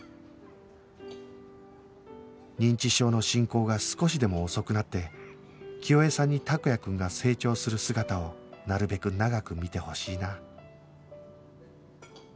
認知症の進行が少しでも遅くなって清江さんに託也くんが成長する姿をなるべく長く見てほしいな